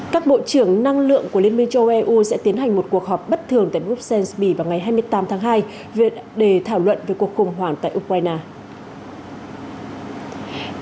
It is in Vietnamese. các bộ trưởng năng lượng của liên minh châu eu sẽ tiến hành một cuộc họp bất thường tại bruxelles bỉ vào ngày hai mươi tám tháng hai để thảo luận về cuộc khủng hoảng tại ukraine